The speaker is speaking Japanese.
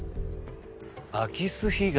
空き巣被害？